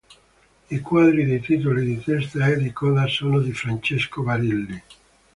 I quadri dei titoli di testa e di coda sono di Francesco Barilli.